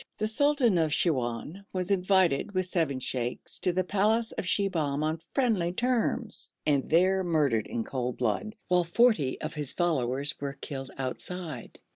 The sultan of Siwoun was invited, with seven sheikhs, to the palace of Shibahm on friendly terms and there murdered in cold blood, while forty of his followers were killed outside.